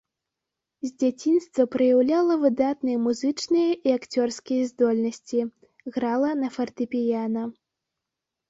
З дзяцінства праяўляла выдатныя музычныя і акцёрскія здольнасці, грала на фартэпіяна.